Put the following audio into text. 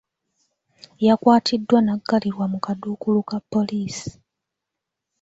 Yakwatiddwa n'aggalirwa mu kaduukulu ka poliisi.